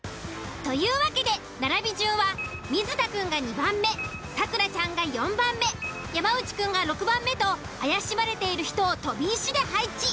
というわけで並び順は水田くんが２番目咲楽ちゃんが４番目山内くんが６番目と怪しまれている人を飛び石で配置。